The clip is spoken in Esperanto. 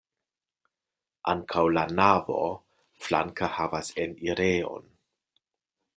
Ankaŭ la navo flanke havas enirejon.